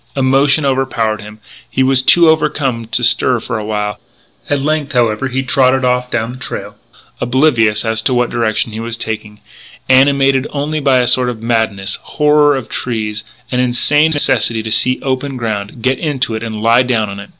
Emotion overpowered him. He was too overcome to stir for a while. At length, however, he tottered off down the trail, oblivious as to what direction he was taking, animated only by a sort of madness horror of trees an insane necessity to see open ground, get into it, and lie down on it.